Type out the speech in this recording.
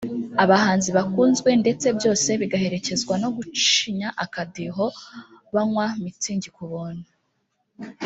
abahanzi bakunzwe ndetse byose bigaherekezwa no gucinya akadiho banywa Mützig ku buntu